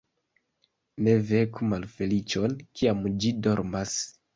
Ne veku malfeliĉon, kiam ĝi dormas.